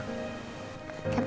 aku mau ke rumah